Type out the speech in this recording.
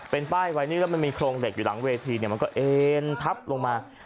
เป็นป้ายไว้นี่แล้วมันมีโครงเหล็กอยู่หลังเวทีเนี่ยมันก็เอ็นทับลงมา